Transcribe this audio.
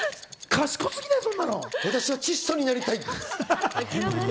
私は窒素になりたい。